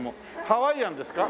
ハワイアンですか？